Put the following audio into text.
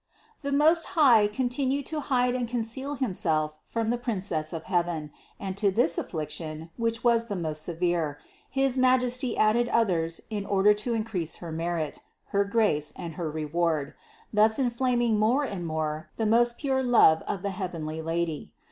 The Most High continued to hide and conceal Himself from the Princess of heaven; and to this afflic tion, which was the most severe, his Majesty added others in order to increase her merit, her grace and her reward, thus inflaming more and more the most pure love of the heavenly Lady.